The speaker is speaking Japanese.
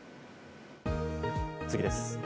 次です。